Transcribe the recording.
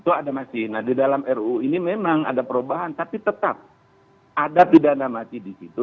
itu ada masih nah di dalam ruu ini memang ada perubahan tapi tetap ada pidana mati di situ